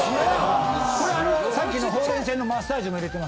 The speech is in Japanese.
さっきのほうれい線のマッサージも入れてます。